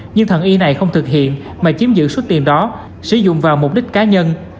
nhưng thần y này không thực hiện mà chiếm giữ số tiền đó sử dụng vào mục đích cá nhân